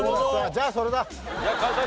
じゃあそれだ。